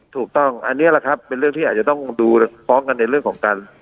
ถูกต้องอันนี้แหละครับเป็นเรื่องที่อาจจะต้องดูฟ้องกันในเรื่องของการ